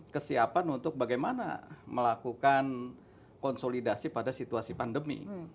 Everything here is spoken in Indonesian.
kesiapan untuk bagaimana melakukan konsolidasi pada situasi pandemi